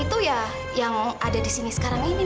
itu ya yang ada di sini sekarang ini